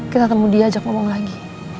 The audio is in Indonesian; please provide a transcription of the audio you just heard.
kita temu dia ajak ngomong lagi